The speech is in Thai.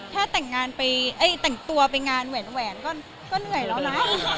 แต่งงานไปแต่งตัวไปงานแหวนก็เหนื่อยแล้วนะ